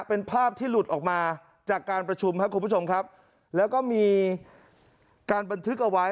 เป็นภาพที่หลุดออกมาจากการประชุมครับคุณผู้ชมครับแล้วก็มีการบันทึกเอาไว้